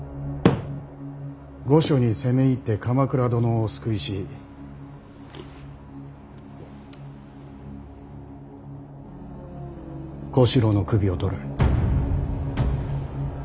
御所に攻め入って鎌倉殿をお救いし小四郎の首を取る。